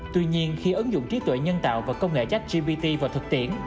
tuy nhiên khi ứng dụng trí tuệ nhân tạo và công nghệ chắc gpt vào thực tiễn